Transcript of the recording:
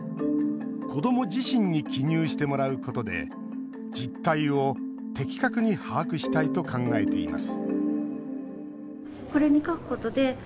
子ども自身に記入してもらうことで実態を的確に把握したいと考えています